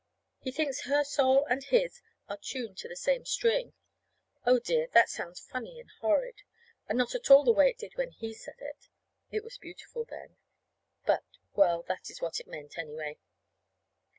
He thinks her soul and his are tuned to the same string. (Oh, dear! That sounds funny and horrid, and not at all the way it did when he said it. It was beautiful then. But well, that is what it meant, anyway.)